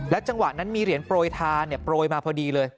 จังหวะนั้นมีเหรียญโปรยทานโปรยมาพอดีเลย